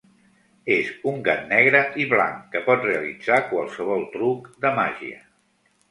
És un gat negre i blanc que pot realitzar qualsevol truc de màgia.